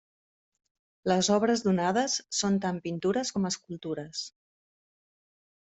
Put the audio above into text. Les obres donades són tant pintures com escultures.